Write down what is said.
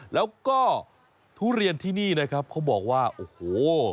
แล้วก็ทุเรียนที่นี่นะครับเขาบอกว่าโอ้โห